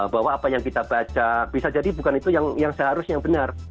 bahwa apa yang kita baca bisa jadi bukan itu yang seharusnya yang benar